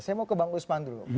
saya mau ke bang usman dulu